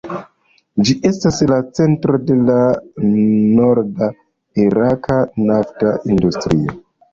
Ĝi estas la centro de la norda iraka nafta industrio.